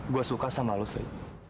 gua suka sama lu sri